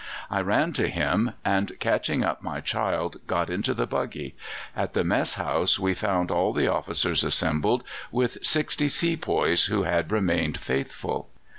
I ran to him, and, catching up my child, got into the buggy. At the mess house we found all the officers assembled, with sixty sepoys who had remained faithful.